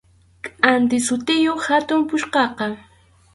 Kʼanti sutiyuq hatun puchkaqa.